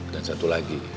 dan satu lagi